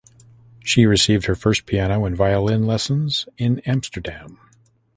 She received her first piano and violin lessons in Amsterdam.